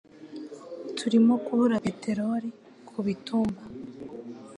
Turimo kubura peteroli kubitumba